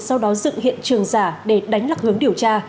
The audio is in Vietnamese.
sau đó dựng hiện trường giả để đánh lạc hướng điều tra